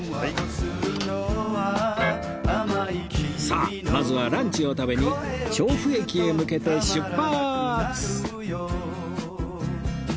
さあまずはランチを食べに調布駅へ向けて出発！